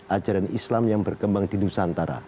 ajaran islam yang berkembang di nusantara